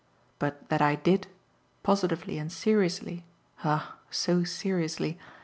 But that I did, positively and seriously ah so seriously!